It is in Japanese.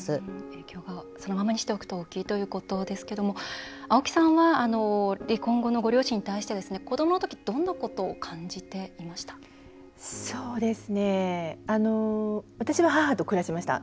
影響がそのままにしておくと大きいということですけども青木さんは離婚後のご両親に対してですね子どもの時どんなことを感じていました？